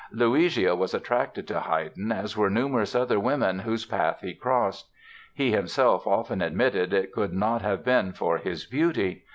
Luigia was attracted to Haydn as were numerous other women whose path he crossed. He himself often admitted it could not have been for his beauty.